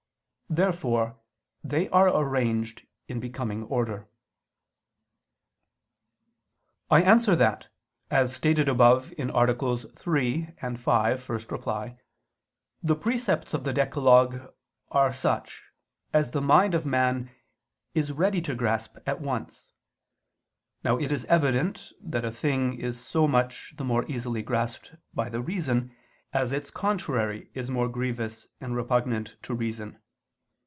Therefore they are arranged in becoming order. I answer that, As stated above (AA. 3, 5, ad 1), the precepts of the decalogue are such as the mind of man is ready to grasp at once. Now it is evident that a thing is so much the more easily grasped by the reason, as its contrary is more grievous and repugnant to reason.